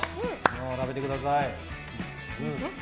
食べてください。